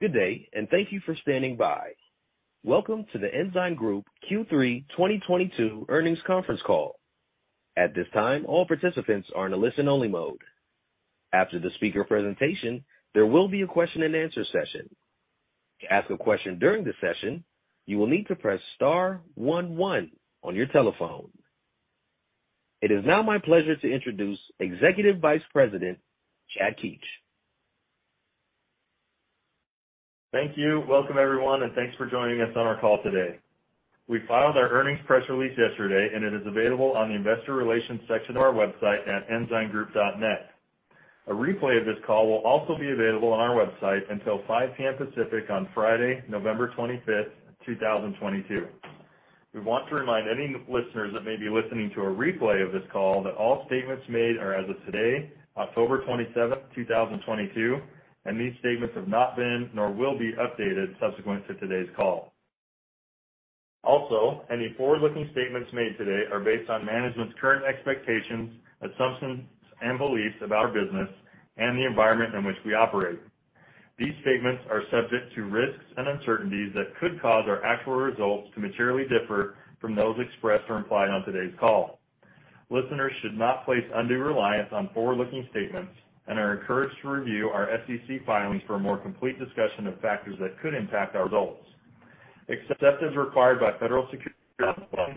Good day, thank you for standing by. Welcome to The Ensign Group Q3 2022 earnings conference call. At this time, all participants are in a listen-only mode. After the speaker presentation, there will be a question-and-answer session. To ask a question during the session, you will need to press star one one on your telephone. It is now my pleasure to introduce Executive Vice President, Chad Keetch. Thank you. Welcome, everyone, and thanks for joining us on our call today. We filed our earnings press release yesterday, and it is available on the investor relations section of our website at ensigngroup.net. A replay of this call will also be available on our website until 5:00 P.M. Pacific on Friday, November 25, 2022. We want to remind any listeners that may be listening to a replay of this call that all statements made are as of today, October 27, 2022, and these statements have not been nor will be updated subsequent to today's call. Also, any forward-looking statements made today are based on management's current expectations, assumptions, and beliefs about our business and the environment in which we operate. These statements are subject to risks and uncertainties that could cause our actual results to materially differ from those expressed or implied on today's call. Listeners should not place undue reliance on forward-looking statements and are encouraged to review our SEC filings for a more complete discussion of factors that could impact our results. Except as required by federal securities laws.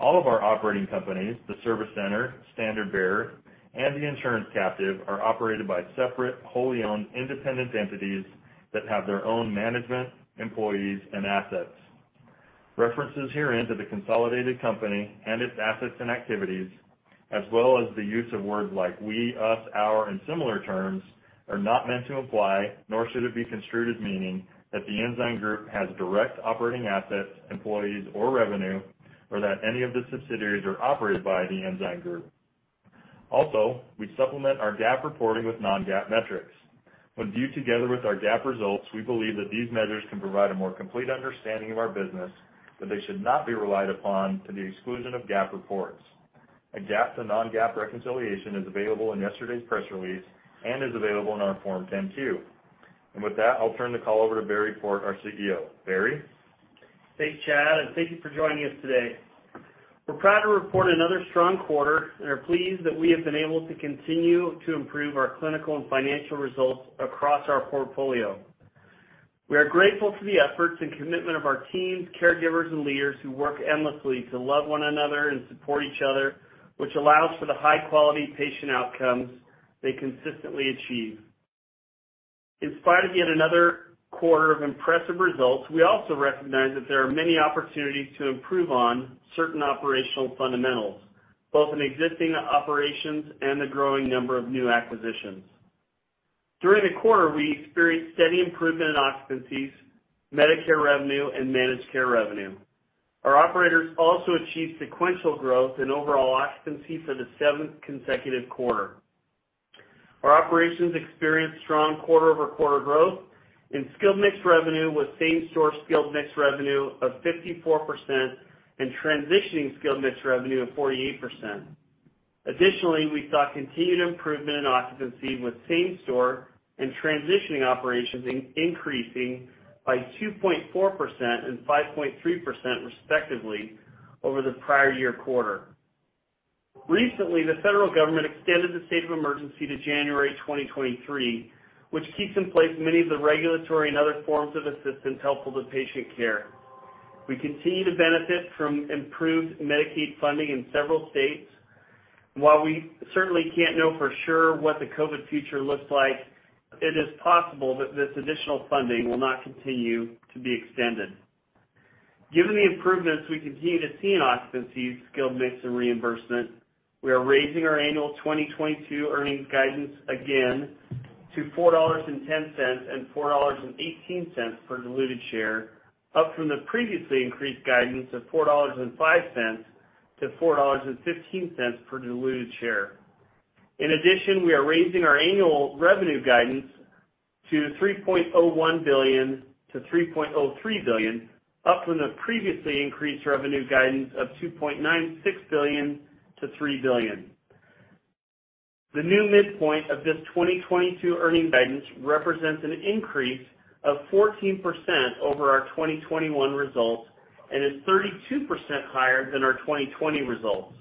All of our operating companies, the service center, Standard Bearer, and the insurance captive, are operated by separate, wholly owned independent entities that have their own management, employees, and assets. References herein to the consolidated company and its assets and activities, as well as the use of words like we, us, our, and similar terms, are not meant to imply, nor should it be construed as meaning that The Ensign Group has direct operating assets, employees, or revenue, or that any of the subsidiaries are operated by The Ensign Group. Also, we supplement our GAAP reporting with non-GAAP metrics. When viewed together with our GAAP results, we believe that these measures can provide a more complete understanding of our business, but they should not be relied upon to the exclusion of GAAP reports. A GAAP to non-GAAP reconciliation is available in yesterday's press release and is available in our Form 10-Q. With that, I'll turn the call over to Barry Port, our CEO. Barry? Thanks, Chad, and thank you for joining us today. We're proud to report another strong quarter and are pleased that we have been able to continue to improve our clinical and financial results across our portfolio. We are grateful to the efforts and commitment of our teams, caregivers, and leaders who work endlessly to love one another and support each other, which allows for the high-quality patient outcomes they consistently achieve. In spite of yet another quarter of impressive results, we also recognize that there are many opportunities to improve on certain operational fundamentals, both in existing operations and the growing number of new acquisitions. During the quarter, we experienced steady improvement in occupancies, Medicare revenue, and managed care revenue. Our operators also achieved sequential growth in overall occupancy for the seventh consecutive quarter. Our operations experienced strong quarter-over-quarter growth, and skilled mix revenue with same-store skilled mix revenue of 54% and transitioning skilled mix revenue of 48%. Additionally, we saw continued improvement in occupancy with same-store and transitioning operations increasing by 2.4% and 5.3% respectively over the prior-year quarter. Recently, the federal government extended the state of emergency to January 2023, which keeps in place many of the regulatory and other forms of assistance helpful to patient care. We continue to benefit from improved Medicaid funding in several states. While we certainly can't know for sure what the COVID future looks like, it is possible that this additional funding will not continue to be extended. Given the improvements we continue to see in occupancy, skilled mix, and reimbursement, we are raising our annual 2022 earnings guidance again to $4.10-$4.18 per diluted share, up from the previously increased guidance of $4.05-$4.15 per diluted share. In addition, we are raising our annual revenue guidance to $3.01 billion-$3.03 billion, up from the previously increased revenue guidance of $2.96 billion-$3 billion. The new midpoint of this 2022 earnings guidance represents an increase of 14% over our 2021 results and is 32% higher than our 2020 results.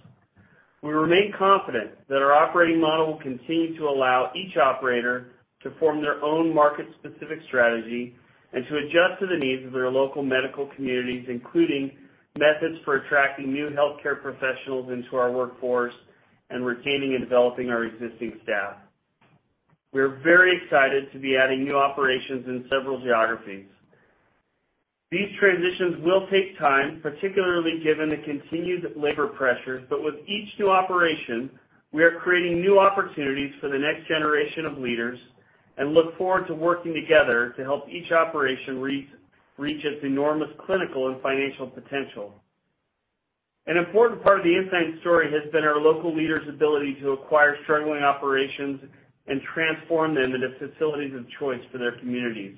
We remain confident that our operating model will continue to allow each operator to form their own market specific strategy and to adjust to the needs of their local medical communities, including methods for attracting new healthcare professionals into our workforce and retaining and developing our existing staff. We are very excited to be adding new operations in several geographies. These transitions will take time, particularly given the continued labor pressures, but with each new operation, we are creating new opportunities for the next generation of leaders and look forward to working together to help each operation reach its enormous clinical and financial potential. An important part of the Ensign story has been our local leaders' ability to acquire struggling operations and transform them into facilities of choice for their communities.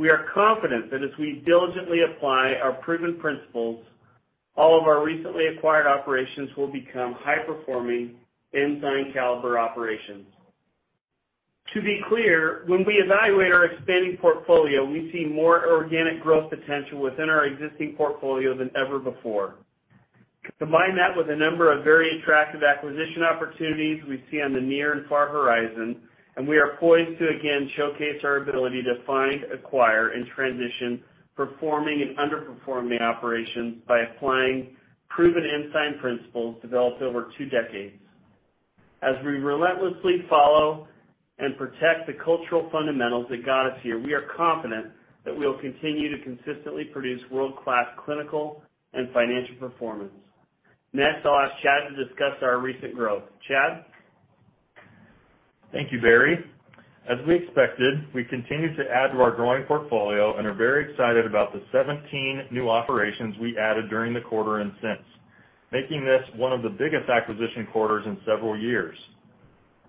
We are confident that as we diligently apply our proven principles, all of our recently acquired operations will become high-performing Ensign caliber operations. To be clear, when we evaluate our expanding portfolio, we see more organic growth potential within our existing portfolio than ever before. Combine that with a number of very attractive acquisition opportunities we see on the near and far horizon, and we are poised to again showcase our ability to find, acquire, and transition performing and underperforming operations by applying proven Ensign principles developed over two decades. As we relentlessly follow and protect the cultural fundamentals that got us here, we are confident that we will continue to consistently produce world-class clinical and financial performance. Next, I'll ask Chad to discuss our recent growth. Chad? Thank you, Barry. As we expected, we continue to add to our growing portfolio and are very excited about the 17 new operations we added during the quarter and since, making this one of the biggest acquisition quarters in several years.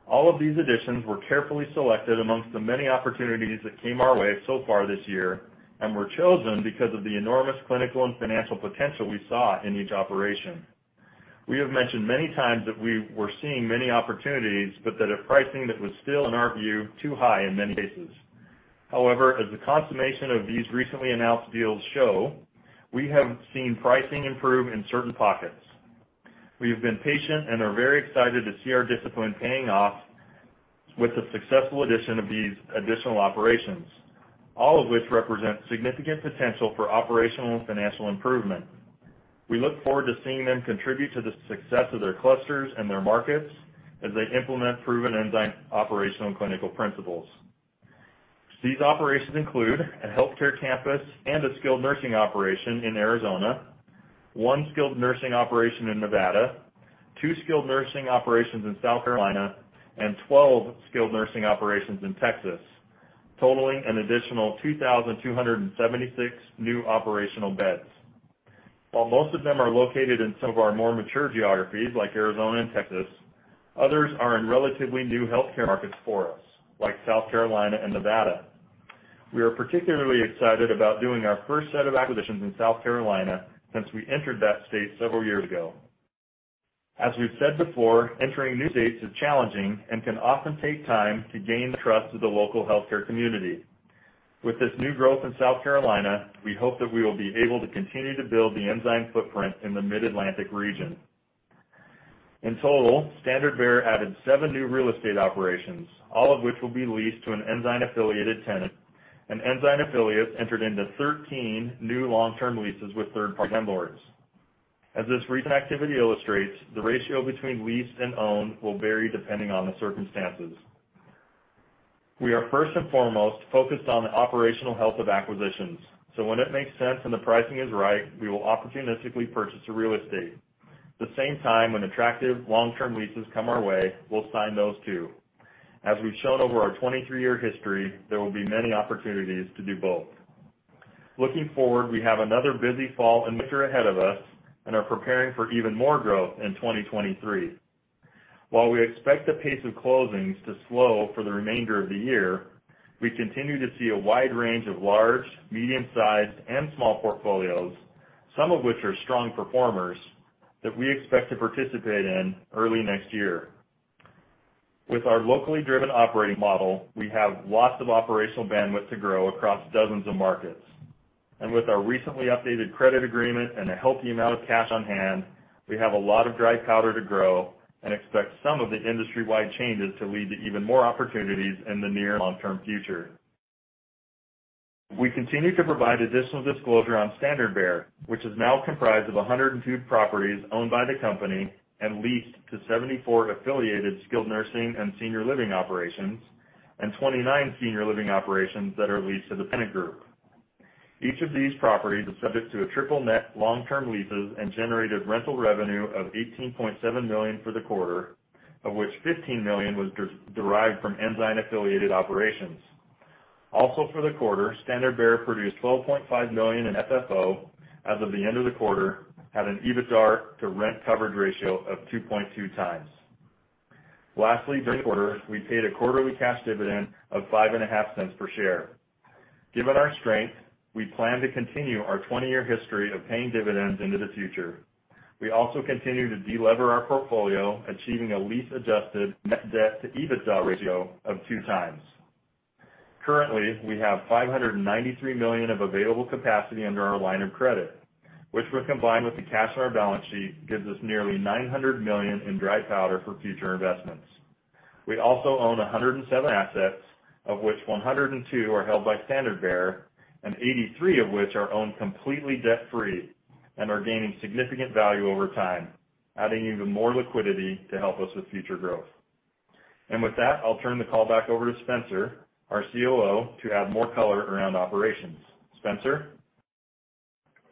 All of these additions were carefully selected amongst the many opportunities that came our way so far this year, and were chosen because of the enormous clinical and financial potential we saw in each operation. We have mentioned many times that we were seeing many opportunities, but that at pricing that was still, in our view, too high in many cases. However, as the consummation of these recently announced deals show, we have seen pricing improve in certain pockets. We have been patient and are very excited to see our discipline paying off with the successful addition of these additional operations, all of which represent significant potential for operational and financial improvement. We look forward to seeing them contribute to the success of their clusters and their markets as they implement proven Ensign operational and clinical principles. These operations include a healthcare campus and a skilled nursing operation in Arizona, one skilled nursing operation in Nevada, two skilled nursing operations in South Carolina, and 12 skilled nursing operations in Texas, totaling an additional 2,276 new operational beds. While most of them are located in some of our more mature geographies like Arizona and Texas, others are in relatively new healthcare markets for us, like South Carolina and Nevada. We are particularly excited about doing our first set of acquisitions in South Carolina since we entered that state several years ago. As we've said before, entering new states is challenging and can often take time to gain the trust of the local healthcare community. With this new growth in South Carolina, we hope that we will be able to continue to build the Ensign footprint in the Mid-Atlantic region. In total, Standard Bearer added seven new real estate operations, all of which will be leased to an Ensign affiliated tenant, and Ensign affiliates entered into 13 new long-term leases with third-party landlords. As this recent activity illustrates, the ratio between leased and owned will vary depending on the circumstances. We are first and foremost focused on the operational health of acquisitions, so when it makes sense and the pricing is right, we will opportunistically purchase the real estate. At the same time, when attractive long-term leases come our way, we'll sign those, too. As we've shown over our 23-year history, there will be many opportunities to do both. Looking forward, we have another busy fall and winter ahead of us and are preparing for even more growth in 2023. While we expect the pace of closings to slow for the remainder of the year, we continue to see a wide range of large, medium-sized, and small portfolios, some of which are strong performers that we expect to participate in early next year. With our locally driven operating model, we have lots of operational bandwidth to grow across dozens of markets. With our recently updated credit agreement and a healthy amount of cash on hand, we have a lot of dry powder to grow and expect some of the industry-wide changes to lead to even more opportunities in the near and long-term future. We continue to provide additional disclosure on Standard Bearer, which is now comprised of 102 properties owned by the company and leased to 74 affiliated skilled nursing and senior living operations, and 29 senior living operations that are leased to the Pennant Group. Each of these properties is subject to a triple net long-term leases and generated rental revenue of $18.7 million for the quarter, of which $15 million was derived from Ensign affiliated operations. Also for the quarter, Standard Bearer produced $12.5 million in FFO as of the end of the quarter, had an EBITDAR to rent coverage ratio of 2.2x. Lastly, during the quarter, we paid a quarterly cash dividend of $0.055 per share. Given our strength, we plan to continue our 20-year history of paying dividends into the future. We also continue to de-lever our portfolio, achieving a lease adjusted net debt to EBITDA ratio of 2x. Currently, we have $593 million of available capacity under our line of credit, which when combined with the cash in our balance sheet, gives us nearly $900 million in dry powder for future investments. We also own 107 assets, of which 102 are held by Standard Bearer, and 83 of which are owned completely debt-free and are gaining significant value over time, adding even more liquidity to help us with future growth. With that, I'll turn the call back over to Spencer, our COO, to add more color around operations. Spencer?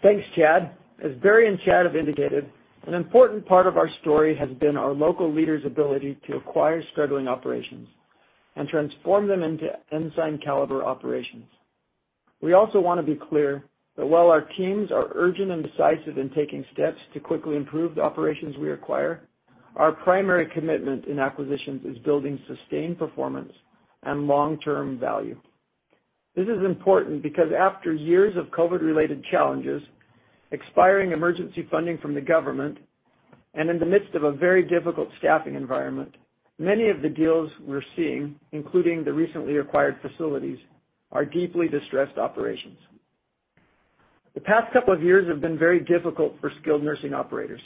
Thanks, Chad. As Barry and Chad have indicated, an important part of our story has been our local leaders' ability to acquire struggling operations and transform them into Ensign caliber operations. We also wanna be clear that while our teams are urgent and decisive in taking steps to quickly improve the operations we acquire, our primary commitment in acquisitions is building sustained performance and long-term value. This is important because after years of COVID-related challenges, expiring emergency funding from the government, and in the midst of a very difficult staffing environment, many of the deals we're seeing, including the recently acquired facilities, are deeply distressed operations. The past couple of years have been very difficult for skilled nursing operators,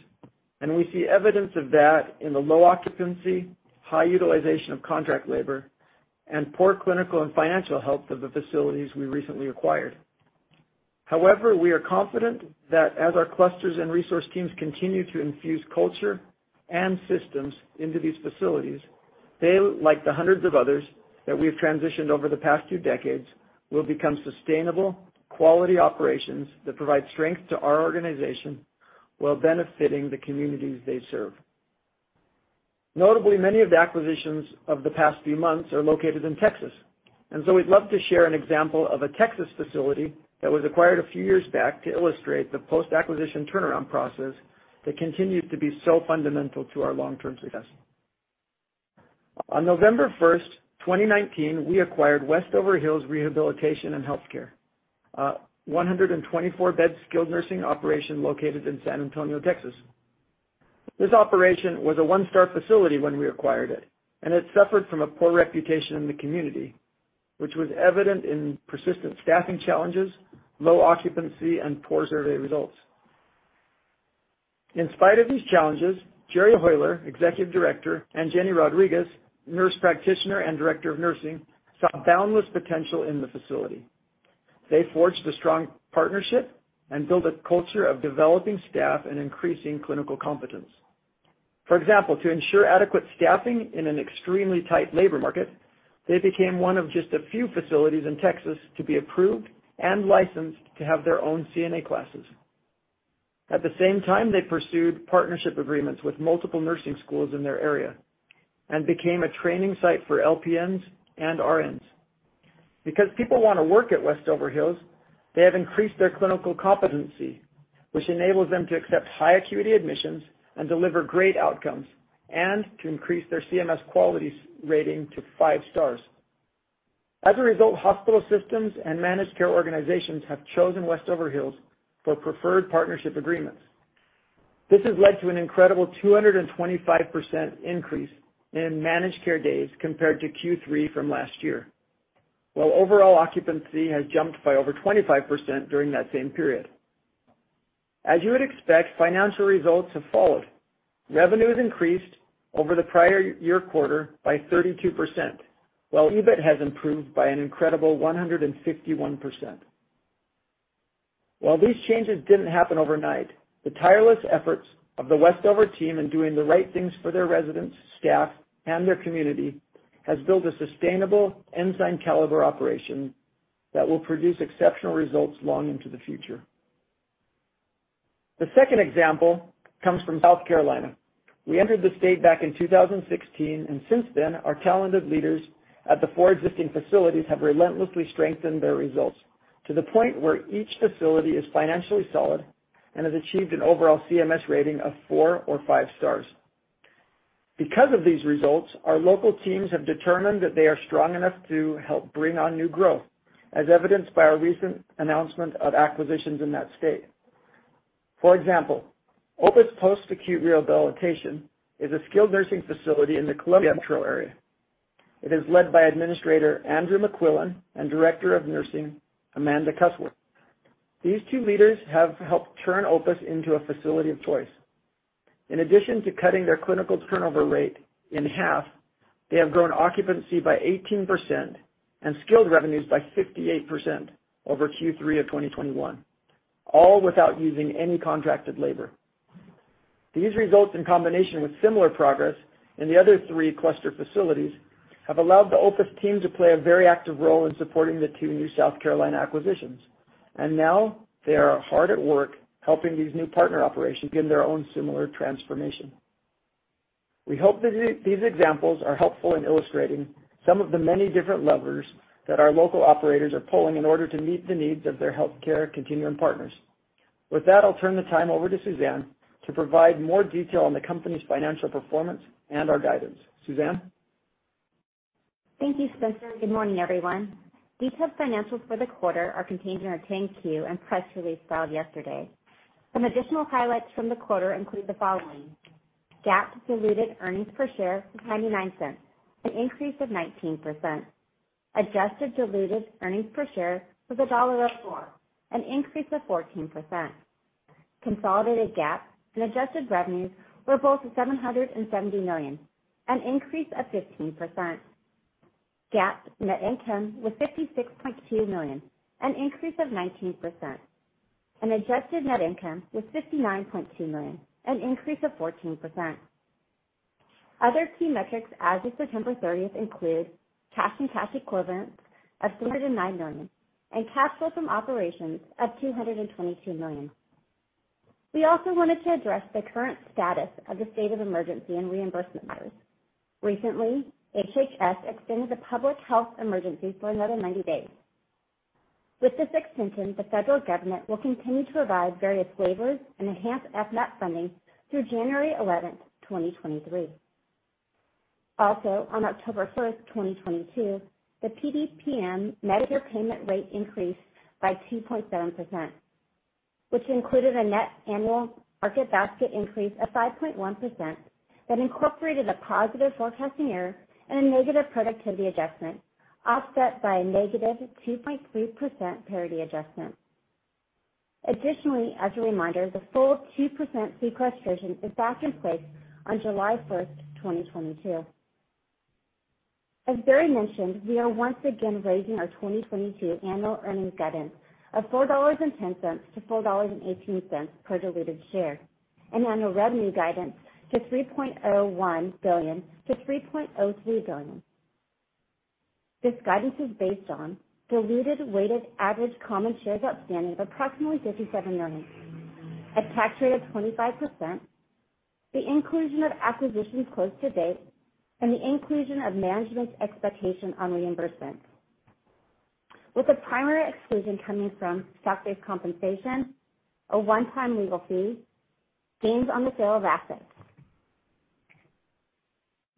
and we see evidence of that in the low occupancy, high utilization of contract labor, and poor clinical and financial health of the facilities we recently acquired. However, we are confident that as our clusters and resource teams continue to infuse culture and systems into these facilities, they, like the hundreds of others that we've transitioned over the past few decades, will become sustainable, quality operations that provide strength to our organization while benefiting the communities they serve. Notably, many of the acquisitions of the past few months are located in Texas, and so we'd love to share an example of a Texas facility that was acquired a few years back to illustrate the post-acquisition turnaround process that continued to be so fundamental to our long-term success. On November 1st, 2019, we acquired Westover Hills Rehabilitation and Healthcare, a 124-bed skilled nursing operation located in San Antonio, Texas. This operation was a one-star facility when we acquired it, and it suffered from a poor reputation in the community, which was evident in persistent staffing challenges, low occupancy, and poor survey results. In spite of these challenges, Jerry Hoyler, Executive Director, and Jenny Rodriguez, Nurse Practitioner and Director of Nursing, saw boundless potential in the facility. They forged a strong partnership and built a culture of developing staff and increasing clinical competence. For example, to ensure adequate staffing in an extremely tight labor market, they became one of just a few facilities in Texas to be approved and licensed to have their own CNA classes. At the same time, they pursued partnership agreements with multiple nursing schools in their area and became a training site for LPNs and RNs. Because people wanna work at Westover Hills, they have increased their clinical competency, which enables them to accept high acuity admissions and deliver great outcomes, and to increase their CMS quality star rating to five stars. As a result, hospital systems and managed care organizations have chosen Westover Hills for preferred partnership agreements. This has led to an incredible 225% increase in managed care days compared to Q3 from last year, while overall occupancy has jumped by over 25% during that same period. As you would expect, financial results have followed. Revenues increased over the prior year quarter by 32%, while EBIT has improved by an incredible 151%. While these changes didn't happen overnight, the tireless efforts of the Westover team in doing the right things for their residents, staff, and their community has built a sustainable Ensign-caliber operation that will produce exceptional results long into the future. The second example comes from South Carolina. We entered the state back in 2016, and since then, our talented leaders at the four existing facilities have relentlessly strengthened their results to the point where each facility is financially solid and has achieved an overall CMS rating of four or five stars. Because of these results, our local teams have determined that they are strong enough to help bring on new growth, as evidenced by our recent announcement of acquisitions in that state. For example, Opus Post-Acute Rehabilitation is a skilled nursing facility in West Columbia, South Carolina. It is led by Administrator Andrew McQuillan and Director of Nursing, Amanda Cusworth. These two leaders have helped turn Opus into a facility of choice. In addition to cutting their clinical turnover rate in half, they have grown occupancy by 18% and skilled revenues by 58% over Q3 of 2021, all without using any contracted labor. These results, in combination with similar progress in the other three cluster facilities, have allowed the Opus team to play a very active role in supporting the two new South Carolina acquisitions. Now they are hard at work helping these new partner operations begin their own similar transformation. We hope that these examples are helpful in illustrating some of the many different levers that our local operators are pulling in order to meet the needs of their healthcare continuum partners. With that, I'll turn the time over to Suzanne to provide more detail on the company's financial performance and our guidance. Suzanne? Thank you, Spencer. Good morning, everyone. Detailed financials for the quarter are contained in our 10-Q and press release filed yesterday. Some additional highlights from the quarter include the following. GAAP diluted earnings per share was $0.99, an increase of 19%. Adjusted diluted earnings per share was $1.04, an increase of 14%. Consolidated GAAP and adjusted revenues were both $770 million, an increase of 15%. GAAP net income was $56.2 million, an increase of 19%. Adjusted net income was $59.2 million, an increase of 14%. Other key metrics as of September 30th include cash and cash equivalents of $309 million and cash flow from operations of $222 million. We also wanted to address the current status of the state of emergency and reimbursement measures. Recently, HHS extended the public health emergency for another 90 days. With this extension, the federal government will continue to provide various waivers and enhance FMAP funding through January 11th, 2023. Also, on October 1st, 2022, the PDPM Medicare payment rate increased by 2.7%, which included a net annual market basket increase of 5.1% that incorporated a positive forecasting error and a negative productivity adjustment, offset by a -2.3% parity adjustment. Additionally, as a reminder, the full 2% sequestration is back in place on July 1st, 2022. As Barry mentioned, we are once again raising our 2022 annual earnings guidance of $4.10-$4.18 per diluted share, and annual revenue guidance to $3.01 billion-$3.03 billion. This guidance is based on diluted weighted average common shares outstanding of approximately 57 million, a tax rate of 25%, the inclusion of acquisitions closed to date, and the inclusion of management's expectations on reimbursement. With the primary exclusion coming from stock-based compensation, a one-time legal fee, gains on the sale of assets.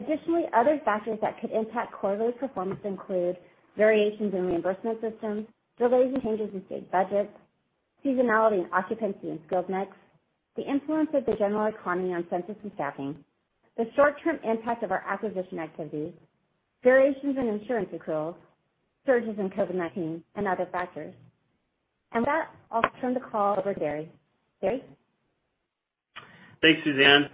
Additionally, other factors that could impact quarterly performance include variations in reimbursement systems, delays and changes in state budgets, seasonality and occupancy in skilled mix, the influence of the general economy on census and staffing, the short-term impact of our acquisition activity, variations in insurance accruals, surges in COVID-19, and other factors. With that, I'll turn the call over to Barry. Barry? Thanks, Suzanne.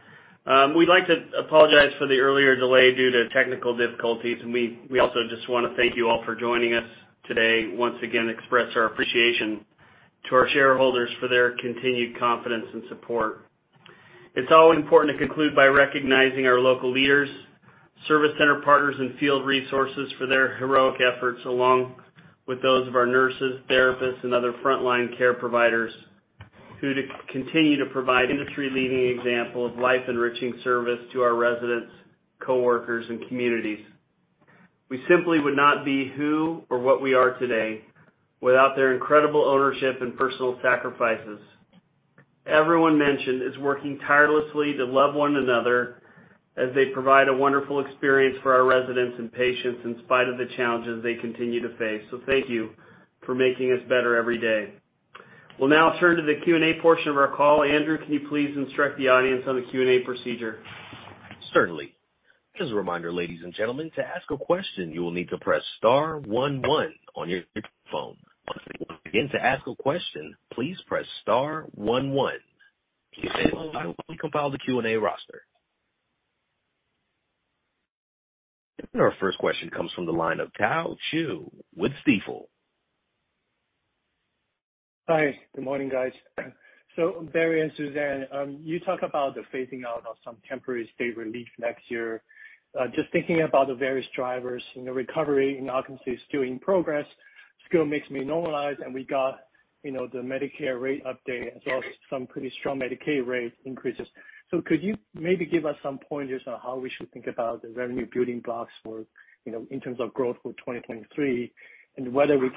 We'd like to apologize for the earlier delay due to technical difficulties, and we also just wanna thank you all for joining us today. Once again, express our appreciation to our shareholders for their continued confidence and support. It's always important to conclude by recognizing our local leaders, service center partners, and field resources for their heroic efforts, along with those of our nurses, therapists, and other frontline care providers who continue to provide industry-leading example of life-enriching service to our residents, coworkers, and communities. We simply would not be who or what we are today without their incredible ownership and personal sacrifices. Everyone mentioned is working tirelessly to love one another as they provide a wonderful experience for our residents and patients in spite of the challenges they continue to face. Thank you for making us better every day. We'll now turn to the Q&A portion of our call. Andrew, can you please instruct the audience on the Q&A procedure? Certainly. Just a reminder, ladies and gentlemen, to ask a question, you will need to press star one one on your phone. Once again, to ask a question, please press star one one. While I compile the Q&A roster. Our first question comes from the line of Tao Qiu with Stifel. Hi. Good morning, guys. Barry and Suzanne, you talk about the phasing out of some temporary state relief next year. Just thinking about the various drivers, you know, recovery in [occupancy] is still in progress. Skilled mix may normalize, and we got, you know, the Medicare rate update and saw some pretty strong Medicaid rate increases. Could you maybe give us some pointers on how we should think about the revenue building blocks for, you know, in terms of growth for 2023, and whether we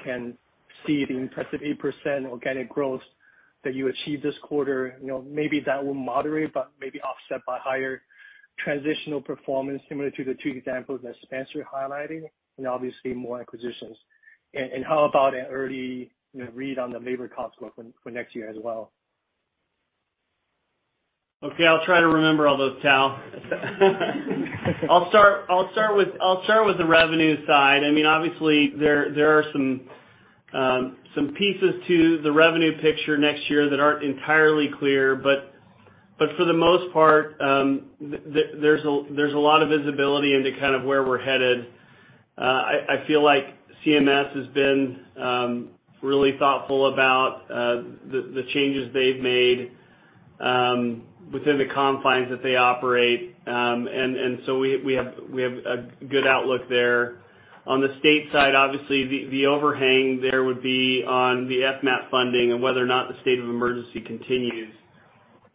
can see the impressive 8% organic growth that you achieved this quarter? You know, maybe that will moderate but maybe offset by higher transitional performance, similar to the two examples that Spencer highlighting and obviously more acquisitions. How about an early, you know, read on the labor cost growth for next year as well? Okay. I'll try to remember all those, Tao. I'll start with the revenue side. I mean, obviously, there are some pieces to the revenue picture next year that aren't entirely clear. For the most part, there's a lot of visibility into kind of where we're headed. I feel like CMS has been really thoughtful about the changes they've made within the confines that they operate. So we have a good outlook there. On the state side, obviously, the overhang there would be on the FMAP funding and whether or not the state of emergency continues.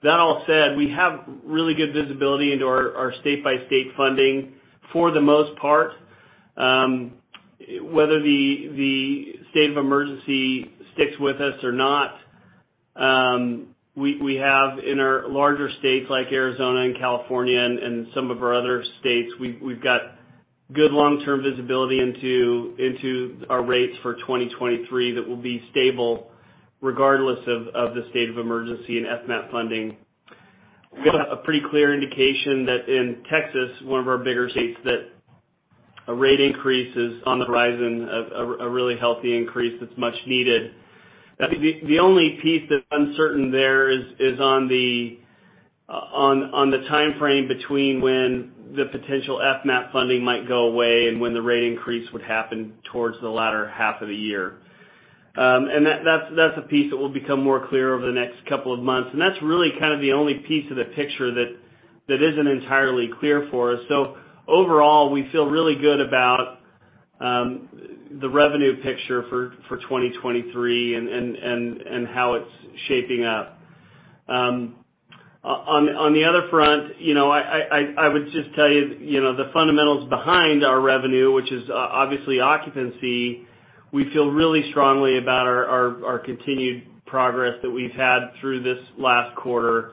That all said, we have really good visibility into our state-by-state funding for the most part. Whether the state of emergency sticks with us or not, we have in our larger states like Arizona and California and some of our other states, we've got good long-term visibility into our rates for 2023 that will be stable regardless of the state of emergency and FMAP funding. We've got a pretty clear indication that in Texas, one of our bigger states, that a rate increase is on the horizon, a really healthy increase that's much needed. I think the only piece that's uncertain there is on the timeframe between when the potential FMAP funding might go away and when the rate increase would happen towards the latter half of the year. That's a piece that will become more clear over the next couple of months. That's really kind of the only piece of the picture that isn't entirely clear for us. Overall, we feel really good about the revenue picture for 2023 and how it's shaping up. On the other front, you know, I would just tell you know, the fundamentals behind our revenue, which is obviously occupancy. We feel really strongly about our continued progress that we've had through this last quarter.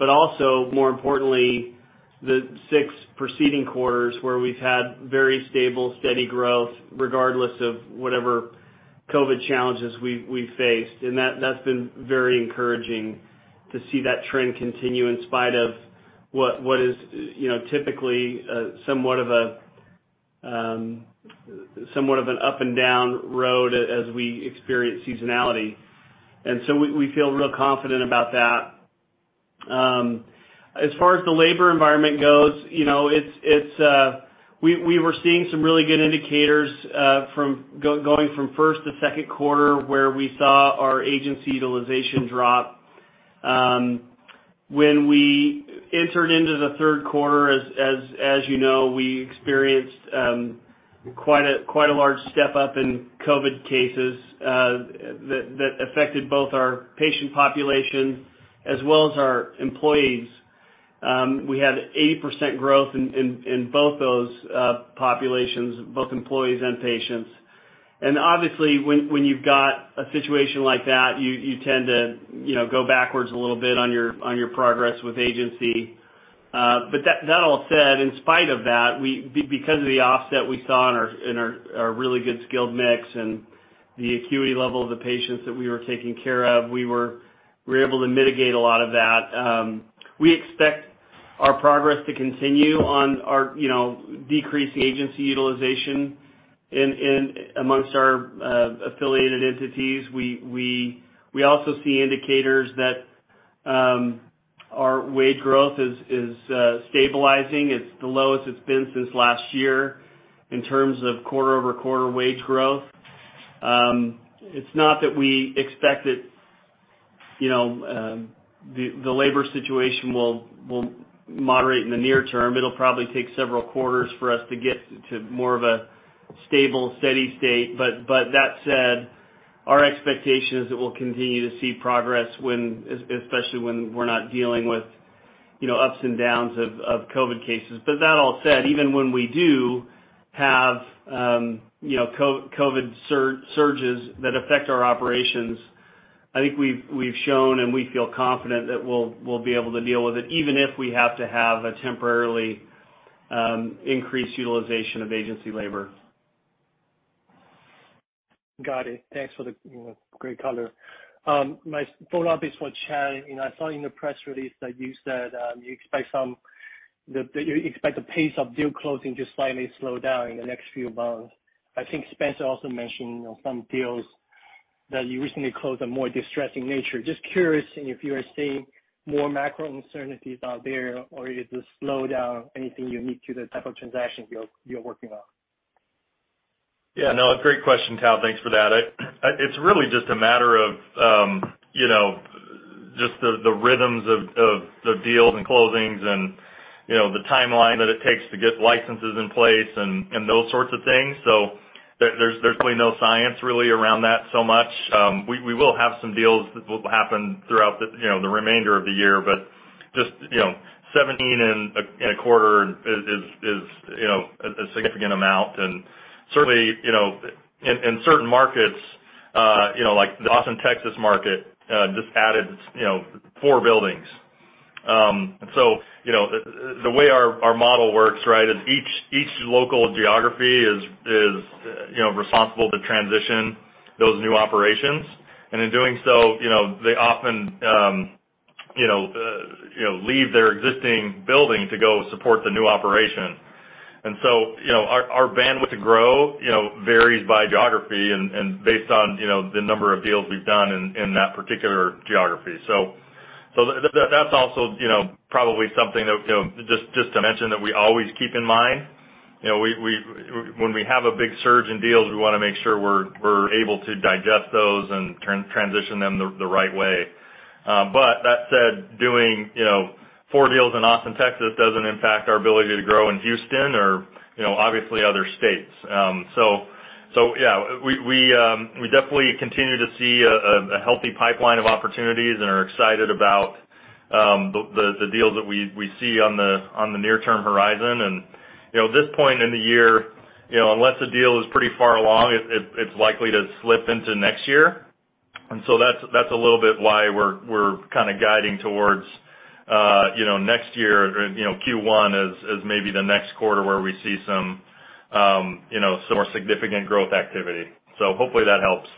Also, more importantly, the six preceding quarters where we've had very stable, steady growth regardless of whatever COVID challenges we faced. That's been very encouraging to see that trend continue in spite of what is, you know, typically somewhat of an up and down road as we experience seasonality. We feel real confident about that. As far as the labor environment goes, you know, we were seeing some really good indicators from going from first to second quarter, where we saw our agency utilization drop. When we entered into the third quarter, as you know, we experienced quite a large step up in COVID cases that affected both our patient population as well as our employees. We had 80% growth in both those populations, both employees and patients. Obviously, when you've got a situation like that, you tend to, you know, go backwards a little bit on your progress with agency. That all said, in spite of that, because of the offset we saw in our really good skilled mix and the acuity level of the patients that we were taking care of, we were able to mitigate a lot of that. We expect our progress to continue on our, you know, decrease the agency utilization in amongst our affiliated entities. We also see indicators that our wage growth is stabilizing. It's the lowest it's been since last year in terms of quarter-over-quarter wage growth. It's not that we expect it, you know, the labor situation will moderate in the near term. It'll probably take several quarters for us to get to more of a stable, steady state. That said, our expectation is that we'll continue to see progress when, especially when we're not dealing with, you know, ups and downs of COVID cases. That all said, even when we do have, you know, COVID surges that affect our operations, I think we've shown and we feel confident that we'll be able to deal with it, even if we have to have a temporarily increased utilization of agency labor. Got it. Thanks for the, you know, great color. My follow-up is for Chad. You know, I saw in the press release that you said you expect the pace of deal closing to slightly slow down in the next few months. I think Spencer also mentioned, you know, some deals that you recently closed are more distressed nature. Just curious if you are seeing more macro uncertainties out there, or is the slowdown anything unique to the type of transactions you're working on? Yeah, no, great question, Tao. Thanks for that. It's really just a matter of, you know, just the rhythms of the deals and closings and, you know, the timeline that it takes to get licenses in place and those sorts of things. There's definitely no science really around that so much. We will have some deals that will happen throughout the, you know, the remainder of the year. But just, you know, 17 in a quarter is a significant amount. And certainly, you know, in certain markets, you know, like the Austin, Texas market just added four buildings. So, you know, the way our model works, right, is each local geography is responsible to transition those new operations. In doing so, you know, they often you know, leave their existing building to go support the new operation. You know, our bandwidth to grow you know, varies by geography and based on you know, the number of deals we've done in that particular geography. That that's also you know, probably something that you know, just to mention that we always keep in mind. You know, we when we have a big surge in deals, we wanna make sure we're able to digest those and transition them the right way. That said, doing you know, four deals in Austin, Texas doesn't impact our ability to grow in Houston or you know, obviously other states. Yeah, we definitely continue to see a healthy pipeline of opportunities and are excited about the deals that we see on the near-term horizon. You know, at this point in the year, you know, unless a deal is pretty far along, it's likely to slip into next year. That's a little bit why we're kinda guiding towards, you know, next year or, you know, Q1 as maybe the next quarter where we see some, you know, some more significant growth activity. Hopefully that helps.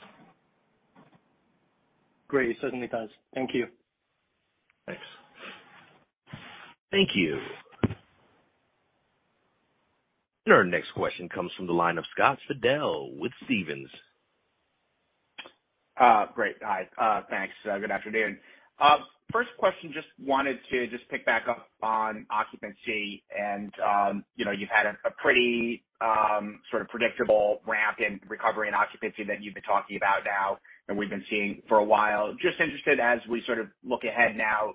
Great. It certainly does. Thank you. Thanks. Thank you. Our next question comes from the line of Scott Fidel with Stephens. Great. Hi. Thanks. Good afternoon. First question, just wanted to just pick back up on occupancy and, you know, you've had a pretty sort of predictable ramp in recovery and occupancy that you've been talking about now and we've been seeing for a while. Just interested as we sort of look ahead now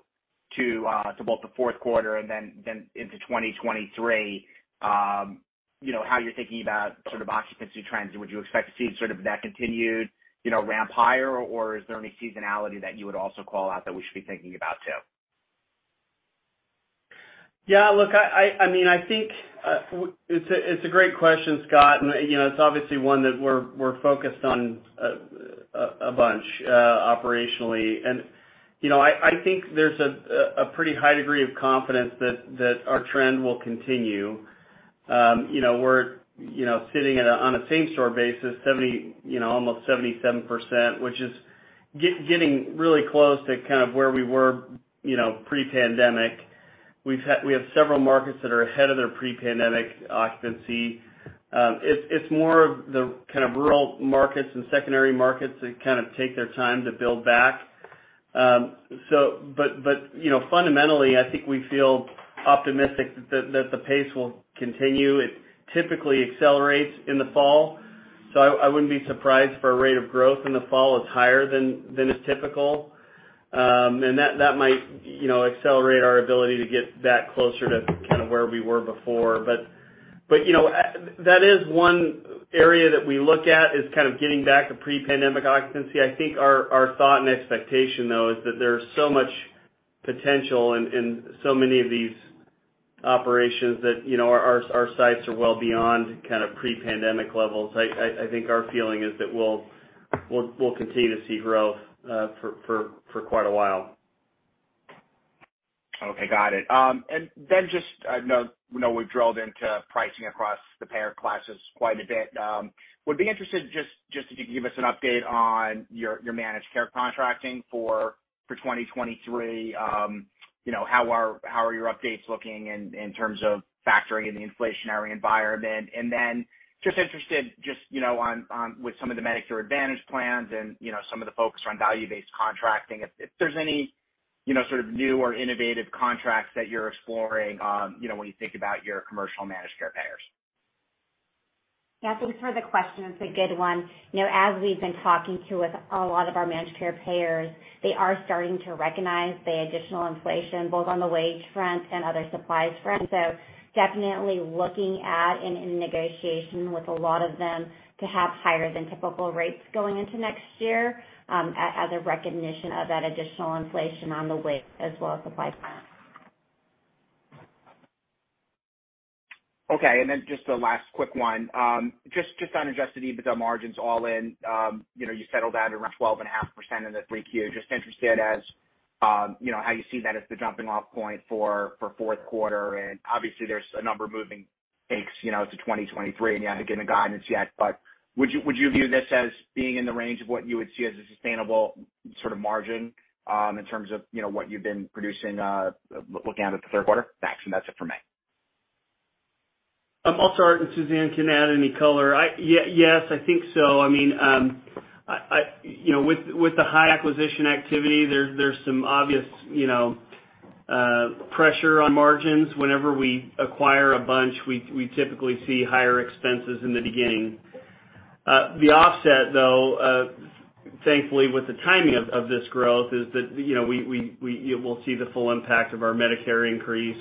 to both the fourth quarter and then into 2023, you know, how you're thinking about sort of occupancy trends and would you expect to see sort of that continued, you know, ramp higher or is there any seasonality that you would also call out that we should be thinking about too? Yeah, look, I mean, I think it's a great question, Scott, and you know, it's obviously one that we're focused on a bunch operationally. You know, I think there's a pretty high degree of confidence that our trend will continue. You know, we're sitting on a same store basis, 70, you know, almost 77%, which is getting really close to kind of where we were, you know, pre-pandemic. We have several markets that are ahead of their pre-pandemic occupancy. It's more of the kind of rural markets and secondary markets that kind of take their time to build back. But you know, fundamentally, I think we feel optimistic that the pace will continue. It typically accelerates in the fall, so I wouldn't be surprised for a rate of growth in the fall is higher than is typical. That might, you know, accelerate our ability to get that closer to kind of where we were before. You know, that is one area that we look at is kind of getting back to pre-pandemic occupancy. I think our thought and expectation though, is that there's so much potential in so many of these operations that, you know, our sites are well beyond kind of pre-pandemic levels. I think our feeling is that we'll continue to see growth for quite a while. Okay, got it. I know we've drilled into pricing across the payer classes quite a bit. Would be interested if you could give us an update on your managed care contracting for 2023. You know, how are your updates looking in terms of factoring in the inflationary environment? Just interested, you know, on with some of the Medicare Advantage plans and, you know, some of the focus around value-based contracting, if there's any, you know, sort of new or innovative contracts that you're exploring, you know, when you think about your commercial managed care payers. Yeah, thanks for the question. It's a good one. You know, as we've been talking with a lot of our managed care payers, they are starting to recognize the additional inflation, both on the wage front and other supplies front. Definitely looking at and in negotiation with a lot of them to have higher than typical rates going into next year, as a recognition of that additional inflation on the wage as well as the price front. Okay. Just a last quick one. Just on adjusted EBITDA margins all in. You know, you settled at around 12.5% in the 3Q. Just interested as you know, how you see that as the jumping off point for fourth quarter. Obviously there's a number of moving parts, you know, to 2023, and you haven't given guidance yet. Would you view this as being in the range of what you would see as a sustainable sort of margin, in terms of you know, what you've been producing, looking at with the third quarter? Thanks, that's it for me. Suzanne can add any color. Yes, I think so. I mean, I you know, with the high acquisition activity, there's some obvious, you know, pressure on margins. Whenever we acquire a bunch, we typically see higher expenses in the beginning. The offset, though, thankfully with the timing of this growth is that, you know, we'll see the full impact of our Medicare increase.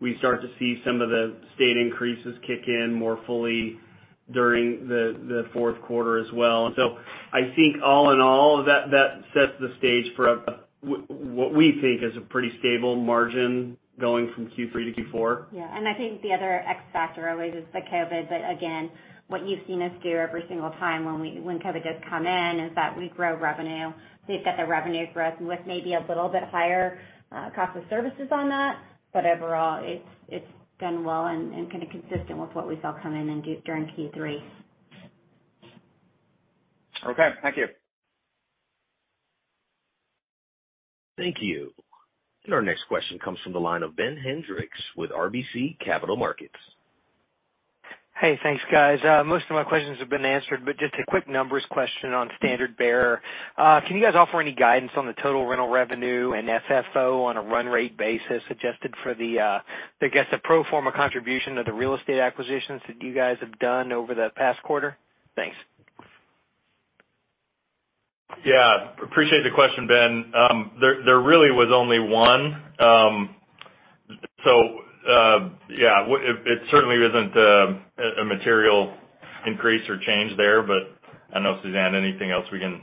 We start to see some of the state increases kick in more fully during the fourth quarter as well. I think all in all, that sets the stage for what we think is a pretty stable margin going from Q3 to Q4. Yeah. I think the other X factor always is the COVID. Again, what you've seen us do every single time when COVID does come in, is that we grow revenue. We've got the revenue growth with maybe a little bit higher cost of services on that. Overall, it's done well and kinda consistent with what we saw come in in during Q3. Okay, thank you. Thank you. Our next question comes from the line of Ben Hendrix with RBC Capital Markets. Hey, thanks, guys. Most of my questions have been answered, but just a quick numbers question on Standard Bearer. Can you guys offer any guidance on the total rental revenue and FFO on a run rate basis adjusted for the, I guess, the pro forma contribution of the real estate acquisitions that you guys have done over the past quarter? Thanks. Yeah. Appreciate the question, Ben. There really was only one. So, yeah, it certainly isn't a material increase or change there, but I don't know, Suzanne, anything else we can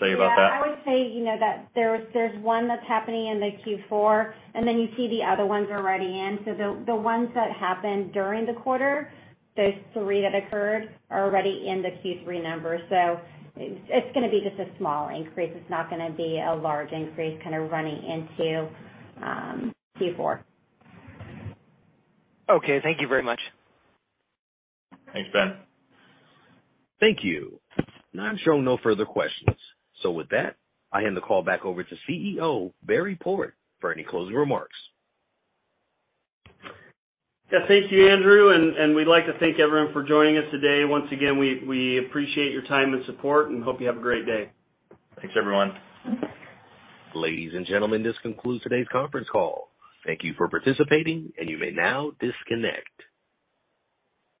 say about that? Yeah. I would say, you know, that there's one that's happening in the Q4, and then you see the other ones already in. The ones that happened during the quarter, those three that occurred are already in the Q3 numbers. It's gonna be just a small increase. It's not gonna be a large increase kinda running into Q4. Okay, thank you very much. Thanks, Ben. Thank you. Now I'm showing no further questions. With that, I hand the call back over to CEO, Barry Port, for any closing remarks. Yeah, thank you, Andrew. We'd like to thank everyone for joining us today. Once again, we appreciate your time and support and hope you have a great day. Thanks, everyone. Ladies and gentlemen, this concludes today's conference call. Thank you for participating, and you may now disconnect.